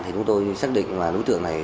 thì chúng tôi xác định là đối tượng này